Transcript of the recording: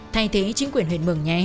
thay thế chính quyền huyện mường nhé